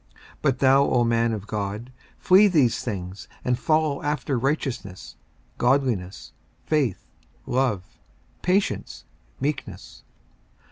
54:006:011 But thou, O man of God, flee these things; and follow after righteousness, godliness, faith, love, patience, meekness.